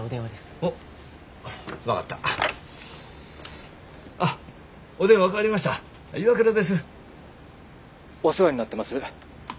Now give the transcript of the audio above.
☎お世話になってます。